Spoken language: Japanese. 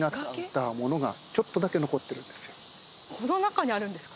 この中にあるんですか？